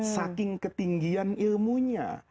saking ketinggian ilmunya